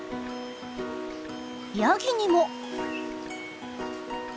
ヤギにも。